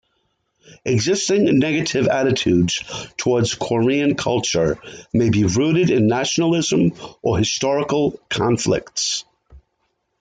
Existing negative attitudes towards Korean culture may be rooted in nationalism or historical conflicts.